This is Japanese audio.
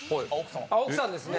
あ奥さんですね。